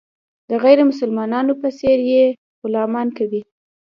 د غیر مسلمانانو په څېر یې غلامان کوي.